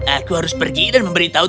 aku harus pergi dan memberitahu